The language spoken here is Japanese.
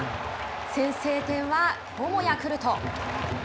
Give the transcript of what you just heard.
先制点はきょうもヤクルト。